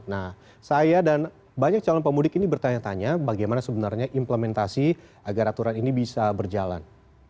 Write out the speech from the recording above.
nah saya dan banyak calon pemudik ini bertanya tanya bagaimana sebenarnya implementasi agar aturan ini bisa berjalan